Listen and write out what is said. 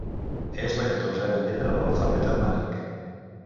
És la catorzena lletra de l'alfabet amhàric.